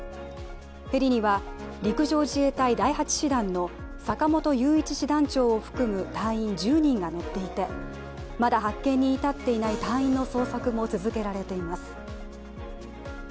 ヘリには陸上自衛隊第８師団の坂本雄一師団長を含む隊員１０人が乗っていてまだ発見に至っていない隊員の捜索も続けられています。